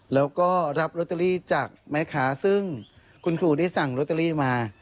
แล้วก็รับลอตเตอรี่จากแม่ค้าซึ่งคุณครูได้สั่งลอตเตอรี่มา